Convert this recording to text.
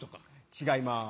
違います。